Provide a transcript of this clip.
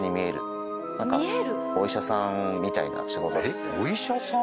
えっお医者さん？